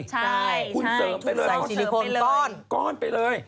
ใช่คุณเสริมไปเลยก่อนไปเลย